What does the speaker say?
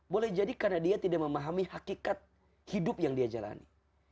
boleh jadi karena dia tidak memahami hakikat hidup yang dia jalani